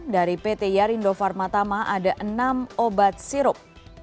dari pt yarindo pharma tama ada enam obat sirup